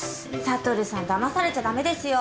悟さんだまされちゃ駄目ですよ。